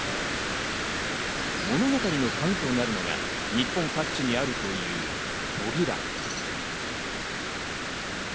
物語のカギとなるのが日本各地にあるという扉。